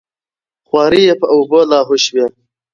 خواري یې په اوبو لاهو شوې وه.